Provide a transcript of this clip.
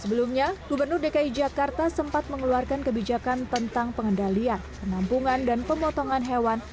sebelumnya gubernur dki jakarta sempat mengeluarkan kebijakan tentang pengendalian penampungan dan pemotongan hewan